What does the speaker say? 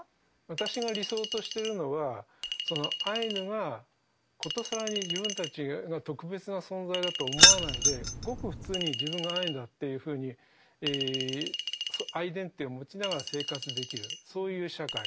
私が理想としてるのはそのアイヌが殊更に自分たちが特別な存在だと思わないでごく普通に自分がアイヌだっていうふうにアイデンティティーを持ちながら生活できるそういう社会。